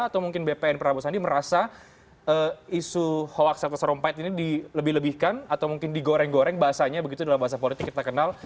atau mungkin bpn prabowo sandi merasa isu hoaks rata sarumpait ini dilebih lebihkan atau mungkin digoreng goreng bahasanya begitu dalam bahasa politik kita kenal